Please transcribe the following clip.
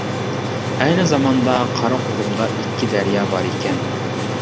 ئەينى زاماندا قارا قۇرۇمدا ئىككى دەريا بار ئىكەن.